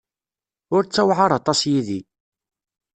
Ur ttewɛaṛ aṭas yid-i.